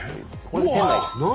これ店内です。